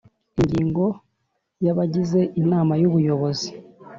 Ingingo Ya Abagize Inama Y Ubuyobozi